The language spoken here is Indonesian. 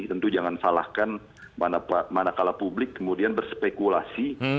tentu jangan salahkan mana kalah publik kemudian berspekulasi